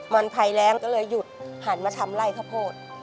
มันภัยแรงก็เลยหยุดหันมาทำไล่ข้าวโพด